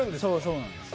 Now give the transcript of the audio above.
そうなんです。